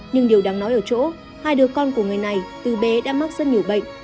nhưng điều đáng nói ở chỗ hai đứa con của người này từ bé đã mắc rất nhiều bệnh